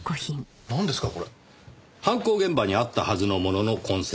犯行現場にあったはずのものの痕跡。